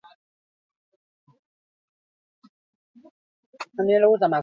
Baina historia berriro errepikatu zen.